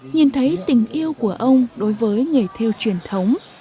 nhìn thấy tình yêu của ông đối với nghề theo truyền thống